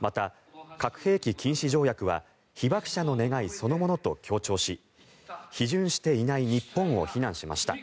また、核兵器禁止条約は被爆者の願いそのものと強調し批准していない日本を非難しました。